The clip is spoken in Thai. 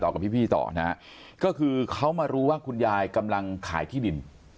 กับพี่พี่ต่อนะฮะก็คือเขามารู้ว่าคุณยายกำลังขายที่ดิน